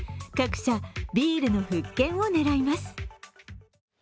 各社ビールの復権を狙います。